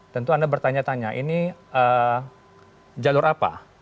tentu anda bertanya tanya ini jalur apa